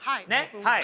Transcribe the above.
はい。